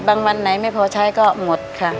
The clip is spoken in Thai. วันไหนไม่พอใช้ก็หมดค่ะ